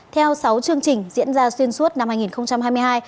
theo sáu chương trình diễn ra xuyên suốt năm hai nghìn hai mươi hai